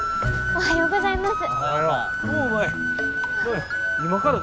おはようございます。